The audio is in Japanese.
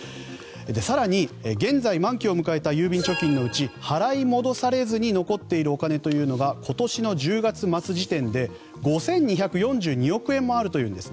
更に、現在、満期を迎えた郵便貯金のうち払い戻されずに残っているお金というのが今年の１０月末時点で５２４２億円もあるんです。